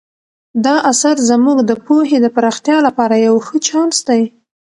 دا اثر زموږ د پوهې د پراختیا لپاره یو ښه چانس دی.